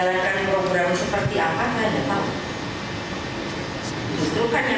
yang orang disuruh percaya padahal itu belum tentu sebuah kebenaran